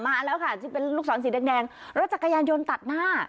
มาแล้วค่ะที่เป็นลูกศรสีแดงรถจักรยานยนต์ตัดหน้า